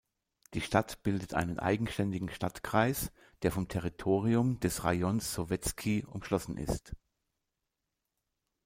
Die Stadt bildet einen eigenständigen Stadtkreis, der vom Territorium des Rajons Sowetski umschlossen ist.